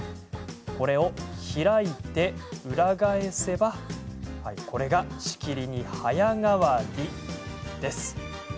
これを開いて裏返せばこれが仕切りに早変わり。